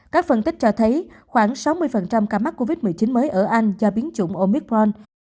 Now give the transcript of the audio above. các phân tích cho thấy khoảng sáu mươi ca mắc covid một mươi chín mới ở anh do biến chủng omicron